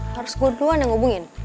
harus gue duluan yang hubungin